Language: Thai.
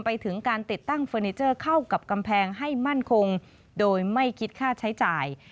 ไปถึงการติดตั้งเฟอร์นิเจอร์เข้ากับกำแพงให้มั่นคงโดยไม่คิดค่าใช้จ่าย